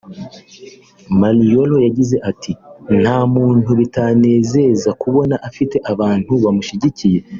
Maylo yagize ati “ Nta muntu bitanezeza kubona afite abantu bamushyigikiye